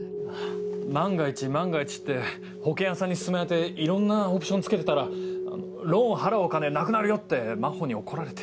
万が一万が一って保険屋さんに勧められていろんなオプションつけてたら「ローン払うお金なくなるよ」って真帆に怒られて。